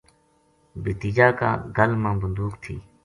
بھتیجا کا گل ما بندوق تھی۔